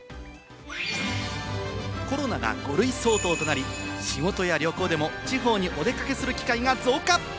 コロナが５類相当となり、仕事や旅行でも地方にお出かけする機会が増加！